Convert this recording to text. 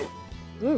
うん。